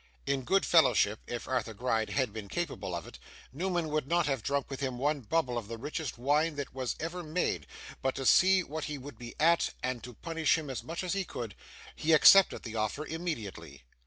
In good fellowship (if Arthur Gride had been capable of it) Newman would not have drunk with him one bubble of the richest wine that was ever made; but to see what he would be at, and to punish him as much as he could, he accepted the offer immediately.